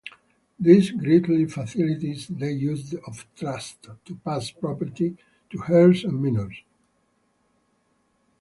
This greatly facilitates the use of trusts to pass property to heirs and minors.